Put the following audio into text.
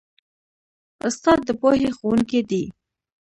استاد د پوهې ښوونکی دی.